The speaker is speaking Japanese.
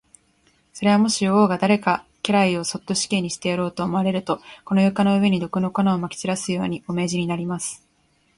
それは、もし王が誰か家来をそっと死刑にしてやろうと思われると、この床の上に、毒の粉をまき散らすように、お命じになります。